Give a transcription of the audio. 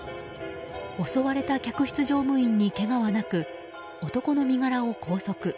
襲われた客室乗務員にけがはなく男の身柄を拘束。